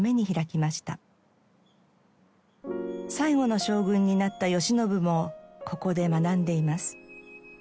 最後の将軍になった慶喜もここで学んでいます。